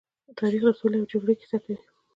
تاریخ د سولې او جګړې کيسه کوي.